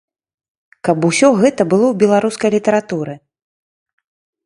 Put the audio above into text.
Каб усё гэта было ў беларускай літаратуры!